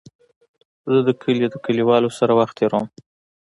زه د کلي د کليوالو سره وخت تېرووم.